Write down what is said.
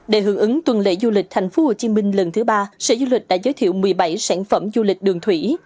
để hưởng ứng tuần lễ du lịch tp hcm lần thứ ba sở du lịch đã giới thiệu một mươi bảy sản phẩm du lịch đường thủy